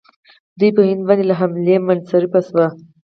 دوی په هند باندې له حملې منصرفې شوې.